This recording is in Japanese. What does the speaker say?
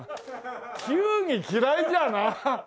球技嫌いじゃなあ。